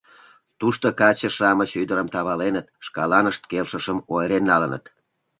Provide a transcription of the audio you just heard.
Тушто каче-шамыч ӱдырым таваленыт, шкаланышт келшышым ойырен налыныт.